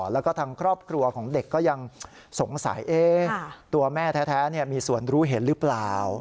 แล้วก็ทางครอบครัวของเด็กก็ยังสงสัยตัวแม่แท้มีส่วนรู้เห็นหรือเปล่า